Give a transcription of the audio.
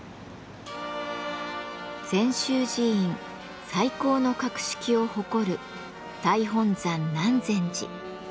禅宗寺院最高の格式を誇る「大本山南禅寺」。